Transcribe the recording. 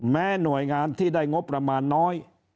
แม้หน่วยงานที่ได้งบประมาณน้อย